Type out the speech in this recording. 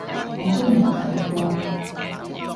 我都冇睇波